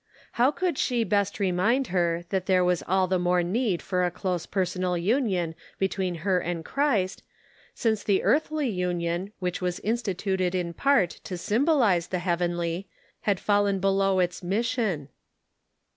How could she best remind her that there was all the more need for a close per sonal union between her and Christ, since the earthly union which was instituted in part to symbolize the heavenly had fallen below its mission